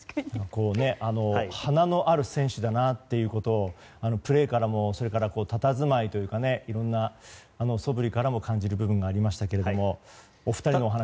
花のある選手だなということをプレーからもたたずまいというかいろんなしぐさから感じる部分がありましたが。